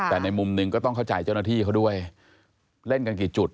แต่ในมุมหนึ่งก็ต้องเข้าใจเจ้าหน้าที่เขาด้วยเล่นกันกี่จุด